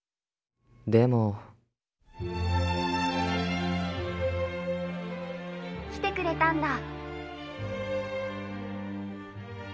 でも来てくれたんだ。